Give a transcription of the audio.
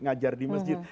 ngajar di masjid